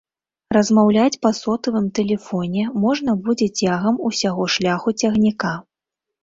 Размаўляць па сотавым тэлефоне можна будзе цягам усяго шляху цягніка.